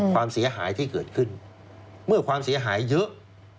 ความเสียหายที่เกิดขึ้นเมื่อความเสียหายเยอะ